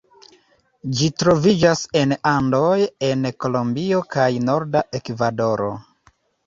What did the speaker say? Ĝi troviĝas en Andoj en Kolombio kaj norda Ekvadoro.